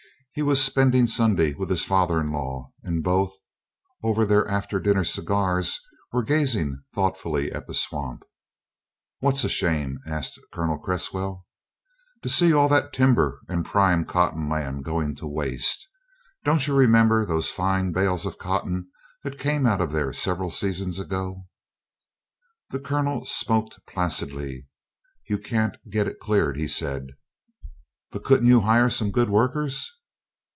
He was spending Sunday with his father in law, and both, over their after dinner cigars, were gazing thoughtfully at the swamp. "What's a shame?" asked Colonel Cresswell. "To see all that timber and prime cotton land going to waste. Don't you remember those fine bales of cotton that came out of there several seasons ago?" The Colonel smoked placidly. "You can't get it cleared," he said. "But couldn't you hire some good workers?"